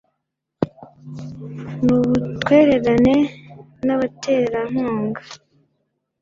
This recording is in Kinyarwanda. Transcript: n ubutwererane n abaterankunga